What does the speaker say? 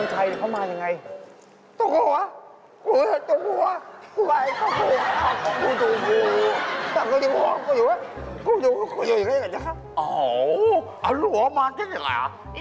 ถามดิว่าเขามาบางชายเขามายังไง